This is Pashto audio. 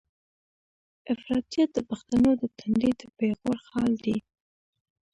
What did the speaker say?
افراطيت د پښتنو د تندي د پېغور خال دی.